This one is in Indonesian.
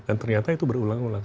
dan ternyata itu berulang ulang